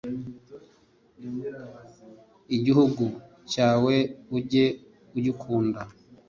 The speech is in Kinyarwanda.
Igihugu cyawe ujye ugikunda